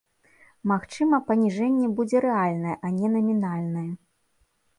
Магчыма, паніжэнне будзе рэальнае, а не намінальнае.